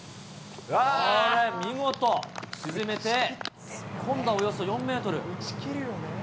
見事、沈めて、今度はおよそ４メートル。